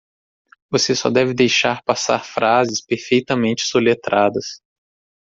Você só deve deixar passar frases perfeitamente soletradas.